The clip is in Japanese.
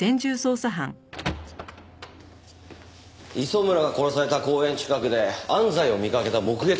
磯村が殺された公園近くで安西を見かけた目撃者が。